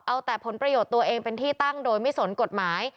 เอาแต่ผลประโยชน์ตัวเองเป็นที่ตั้งโดยไม่สนกฎหมาย